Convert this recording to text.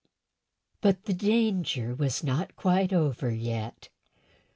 _] But the danger was not quite over even yet.